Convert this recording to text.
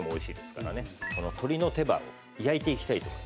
鶏の手羽を焼いていきたいと思います。